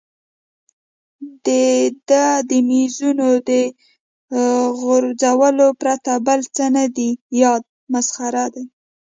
د ده د مېزونو د غورځولو پرته بل څه نه دي یاد، مسخره دی.